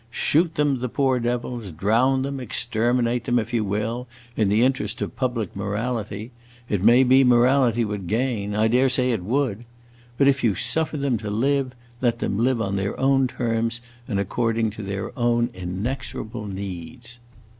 Shoot them, the poor devils, drown them, exterminate them, if you will, in the interest of public morality; it may be morality would gain I dare say it would! But if you suffer them to live, let them live on their own terms and according to their own inexorable needs!"